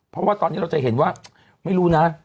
เพราะว่าตอนนี้เราจะเห็นว่าไม่รู้นะ